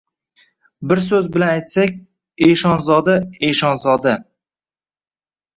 Bir so‘z bilan aytsak, eshonzoda, eshonzoda!